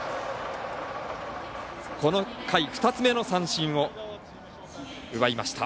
この回２つ目の三振を奪いました。